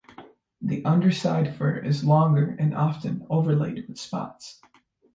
The underside fur is longer and often overlaid with spots.